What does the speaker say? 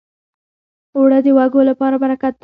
اوړه د وږو لپاره برکت دی